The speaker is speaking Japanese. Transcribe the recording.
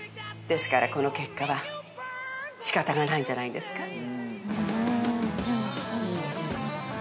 ですからこの結果はしかたがないんじゃないんですか？